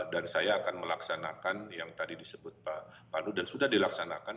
dan saya akan melaksanakan yang tadi disebut pak pandu dan sudah dilaksanakan